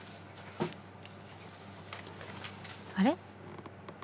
あれ？